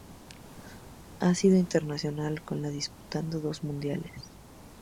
Ha sido internacional con la disputando dos mundiales.